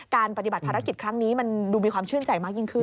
ปฏิบัติภารกิจครั้งนี้มันดูมีความชื่นใจมากยิ่งขึ้น